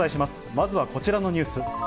まずはこちらのニュース。